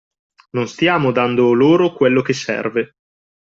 Non stiamo dando loro quello che serve.